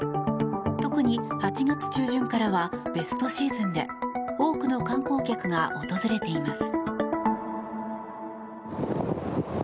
特に８月中旬からはベストシーズンで多くの観光客が訪れています。